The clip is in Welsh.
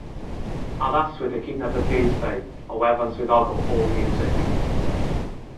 Addaswyd y cydnabyddiaethau o wefan swyddogol AllMusic.